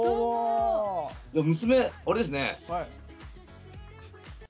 娘あれですね。